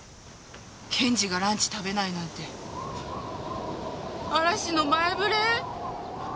検事がランチ食べないなんて嵐の前触れ？